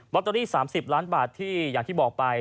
บล็อกเตอรี่สามสิบล้านบาทที่อย่างที่บอกไป